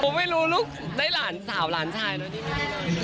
ก็ไม่รู้ลูกได้หลานสาวหลานสาวแล้วดี